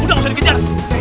udah gak usah dikenjar